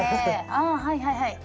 あはいはいはい。